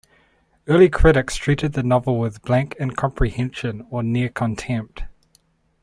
Early critics treated the novel with blank incomprehension or near-contempt.